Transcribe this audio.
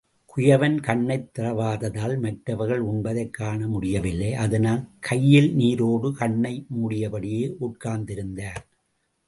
குயவன் கண்ணைத் திறவாததால், மற்றவர்கள் உண்பதைக் காண முடியவில்லை, அதனால் கையில் நீரோடு கண்ணை மூடியபடியே உட்கார்ந்திருந்தார்.